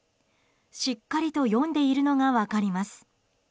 しっかりと読んでいるのが分かります。